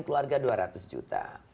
keluarga dua ratus juta